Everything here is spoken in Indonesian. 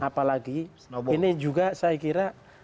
apalagi ini juga saya kira